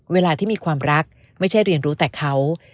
เวลาที่มีความรักไม่ใช่เรียนรู้แต่เขา